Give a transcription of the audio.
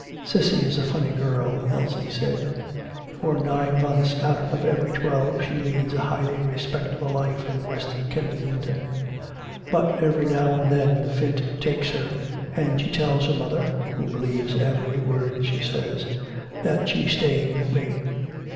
'Cissy is a funny girl,' Elsie said. 'For nine months out of every twelve she leads a highly respectable life in West Kensington. But every now and then the fit takes her, and she tells her mother, who believes every word she says, that she's staying with me.